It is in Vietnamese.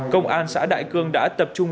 công an xã đại cương đã tập trung